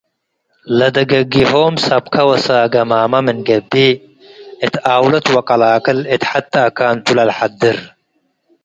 ”"- ለደገጊሆም ሰብከ ወሳገማመ ምን ገብእ እት ኣውለት ወቀላቅል እት ሐቴ አካን ቱ ለለሐድር ።